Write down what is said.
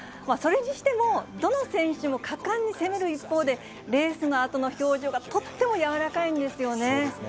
それにしても、どの選手も果敢に攻める一方で、レースのあとの表情がとっても柔らかいんですよね。